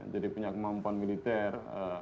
jadi punya kemampuan militer